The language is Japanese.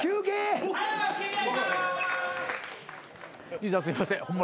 兄さんすいません。